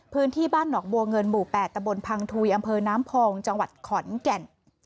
พื้นที่บ้านหนองบัวเงินหมู่๘ตะบนพังทุยอำเภอน้ำพองจังหวัดขอนแก่น